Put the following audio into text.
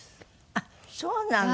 あっそうなの。